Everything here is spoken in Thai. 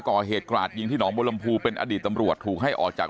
กราดยิงที่หนองบุรมภูเป็นอดีตตำรวจถูกให้ออกจาก